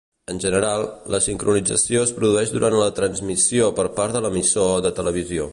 En general, la sincronització es produeix durant la transmissió per part de l’emissor de televisió.